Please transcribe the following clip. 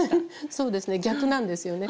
そうですね逆なんですよね。